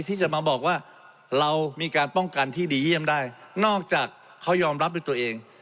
ที่จะมาบอกว่าเรามีการป้องกันที่ดีเยี่ยมได้นอกจากเขายอมรับด้วยตัวเอง